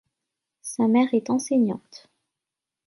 Sa mère est enseignante.